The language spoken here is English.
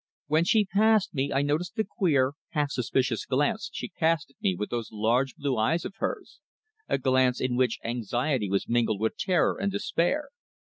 When she passed me I noticed the queer, half suspicious glance she cast at me with those large blue eyes of hers, a glance in which anxiety was mingled with terror and despair.